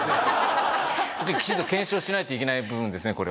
きちんと検証しないといけない部分ですね